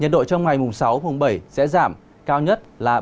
nhiệt độ trong ngày mùng sáu mùng bảy sẽ giảm cao nhất là ba mươi ba mươi ba độ